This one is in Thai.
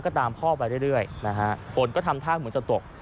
ก็ตามพ่อไปเรื่อยนะฮะฝนก็ทำท่าเหมือนจะตก